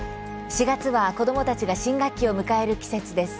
４月は、子どもたちが新学期を迎える季節です。